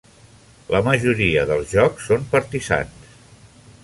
La majoria dels jocs són partisans.